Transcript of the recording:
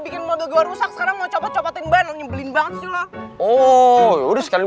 bikin mobil gua rusak sekarang mau coba coba timbal nyembelin banget loh oh udah sekarang